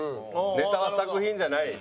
ネタは作品じゃない。